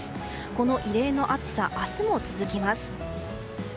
この異例の暑さ、明日も続きます。